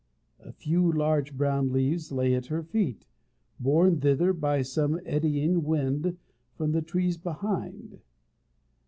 A few large brown leaves lay at her feet, borne thither by some eddying wind from the trees behind.